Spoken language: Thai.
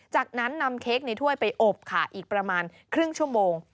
จากนั้นนำเค้กในถ้วยไปอบค่ะอีกประมาณครึ่งชั่วโมง